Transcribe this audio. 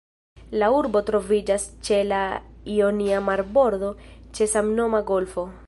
La urbo troviĝas ĉe la Ionia marbordo, ĉe samnoma golfo.